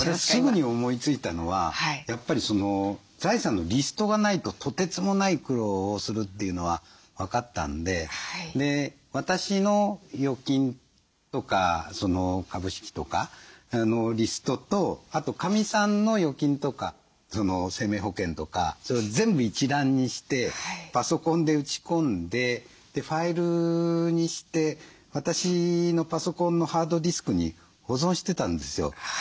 私すぐに思いついたのはやっぱり財産のリストがないととてつもない苦労をするっていうのは分かったんで私の預金とか株式とかのリストとあとかみさんの預金とか生命保険とか全部一覧にしてパソコンで打ち込んでファイルにして私のパソコンのハードディスクに保存してたんですよ。